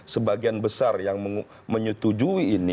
sebagian besar yang menyetujui ini